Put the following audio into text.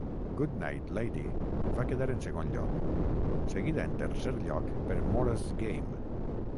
"Goodnight Lady" va quedar en segon lloc, seguida en tercer lloc per "Maura's Game".